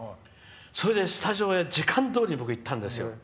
それでスタジオへ時間どおりに僕、行ったんですよ。